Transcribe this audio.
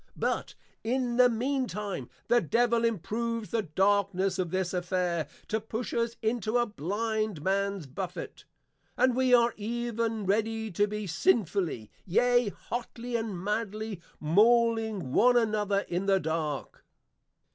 But in the mean time, the Devil improves the Darkness of this Affair, to push us into a Blind Mans Buffet, and we are even ready to be sinfully, yea, hotly, and madly, mauling one another in the dark.